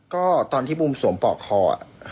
ก็ตอนที่ปุ่มสวมปอกคออ่ะ